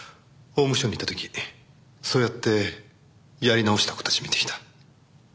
法務省にいた時そうやってやり直した子たち見てきた。